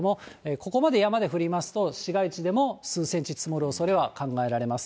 ここまで山で降りますと、市街地でも数センチ積もるおそれは考えられます。